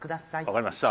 わかりました。